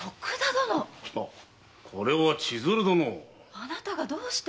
あなたがどうして？